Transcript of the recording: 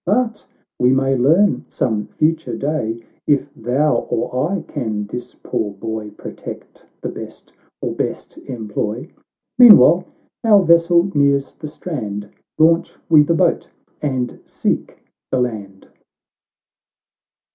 But we may learn some future day, If thou or I can this poor boy Protect the best, or best employ. Meanwhile, our vessel nears the strand ; Launch we the boat, and seek the land."